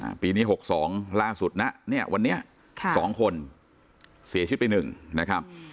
ปีนี้หกสองล่าสุดนะเนี้ยวันนี้ค่ะสองคนเสียชีวิตไปหนึ่งนะครับ